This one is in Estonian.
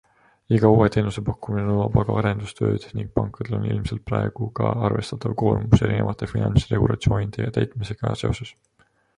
Iga uue teenuse pakkumine nõuab aga arendustööd ning pankadel on ilmselt praegu ka arvestatav koormus erinevate finantsregulatsioonide täitmisega seoses.